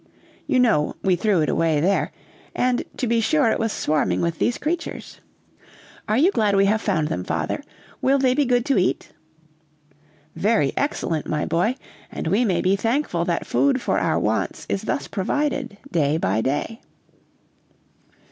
You know we threw it away there, and to be sure it was swarming with these creatures. Are you glad we have found them, father? Will they be good to eat?" "Very excellent, my boy, and we may be thankful that food for our wants is thus provided day by day."